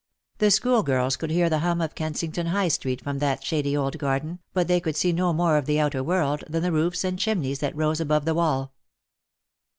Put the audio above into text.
The schoolgirls could hear the hum of Kensington High street from that shady old garden, but they could see no more of the outer world than the roofs and chimneys that rose above the wall.